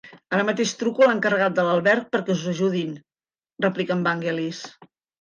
Ara mateix truco l'encarregat de l'alberg perquè us ajudin —replica el Vangelis.